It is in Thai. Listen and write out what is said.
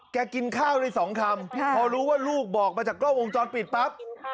กินข้าวได้สองคำพอรู้ว่าลูกบอกมาจากกล้องวงจรปิดปั๊บ